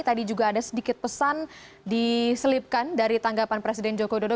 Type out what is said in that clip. tadi juga ada sedikit pesan diselipkan dari tanggapan presiden joko widodo